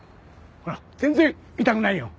ほら全然痛くないよ。